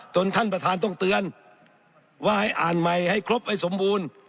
ท่านประธานต้องเตือนว่าให้อ่านใหม่ให้ครบให้สมบูรณ์